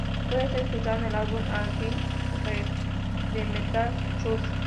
Puede ser escuchado en el álbum "A Light in the Dark", de Metal Church.